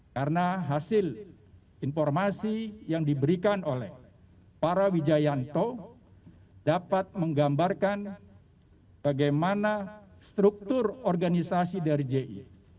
karena hasil informasi yang diberikan oleh para wijayanto dapat menggambarkan bagaimana struktur organisasi dari ji